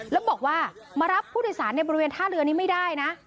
แล้วบอกว่ามารับผู้โดยสารในบริเวณท่าเรือนี้ไม่ได้นะ